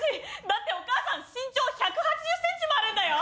だってお母さん身長１８０ｃｍもあるんだよ？